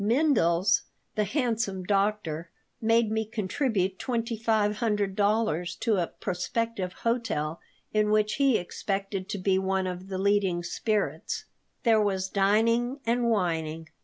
Mindels, the handsome doctor, made me contribute twenty five hundred dollars to a prospective hospital in which he expected to be one of the leading spirits There was dining and wining.